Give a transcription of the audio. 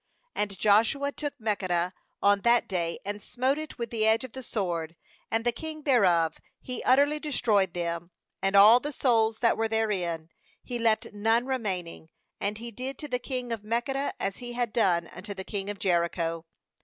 28And Joshua took Makkedah oa that day, and smote it with the edge of the sword, and the king thereof; he utterly destroyed them and all the souls that were therein, he left none remaining; and he did to the king of Makkedah as he had done unto the king of Jericho.